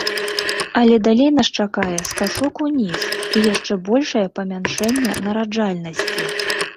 Але далей нас чакае скачок уніз і яшчэ большае памяншэнне нараджальнасці.